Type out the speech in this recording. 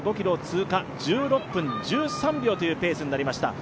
１６分１３秒というペースになりました。